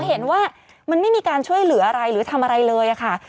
เห็นว่ามันไม่มีการช่วยเหลืออะไรหรือทำอะไรเลยค่ะ